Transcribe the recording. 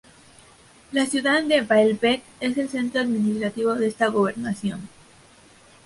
La ciudad de Baalbek es el centro administrativo de esta gobernación.